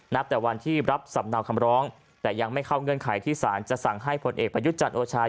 แต่วันที่รับสำเนาคำร้องแต่ยังไม่เข้าเงื่อนไขที่สารจะสั่งให้ผลเอกประยุทธ์จันทร์โอชา